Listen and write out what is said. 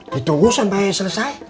ditunggu sampe selesai